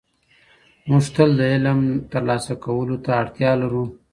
موږ تل د علم ترلاسه کولو ته اړتیا لرو.